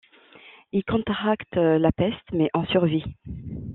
Il y contracte la peste mais en survit.